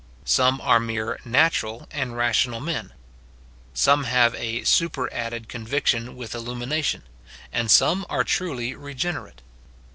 Some are mere natural and rational men ; some have a superadded conviction with illuu.iuu tion ; and some are truly regenerate.